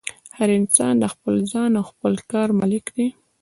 هر انسان د خپل ځان او خپل کار مالک دی.